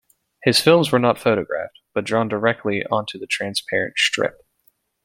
His films were not photographed, but drawn directly onto the transparent strip.